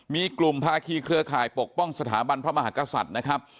มีกลุ่มภาคีเครือข่ายปกป้องสถาบันพระมหากษัตริย์นะครับ